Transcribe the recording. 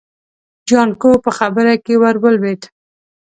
جانکو په خبره کې ور ولوېد.